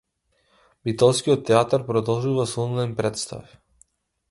Битолскиот театар продолжува со онлајн претстави